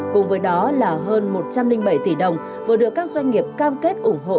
cùng với đó là hơn một trăm linh bảy tỷ đồng vừa được các doanh nghiệp cam kết ủng hộ